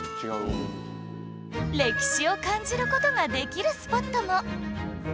歴史を感じる事ができるスポットも